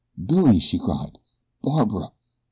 "Billy!" she cried. "Barbara!